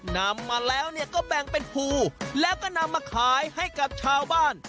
นำมาแล้วเนี่ยก็แบ่งเป็นภูแล้วก็นำมาขายให้กับชาวบ้าน